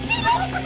gua lihat tuh